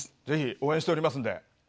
ぜひ応援しておりますんで。